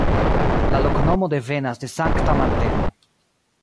La loknomo devenas de Sankta Marteno.